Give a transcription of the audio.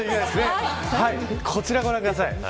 こちらをご覧ください。